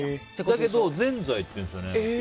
だけどぜんざいっていうんですよね